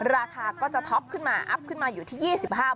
ราคาก็จะท็อปขึ้นมาอัพขึ้นมาอยู่ที่๒๕บาท